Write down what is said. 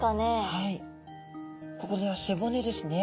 はいこれは背骨ですね。